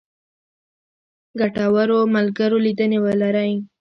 ګټورو ملګرو لیدنې ولرئ.